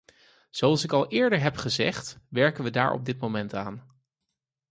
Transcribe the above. Zoals ik al eerder heb gezegd, werken we daar op dit moment aan.